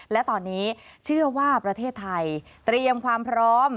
และตอนนี้เชื่อว่าประเทศไทยเตรียมความพร้อม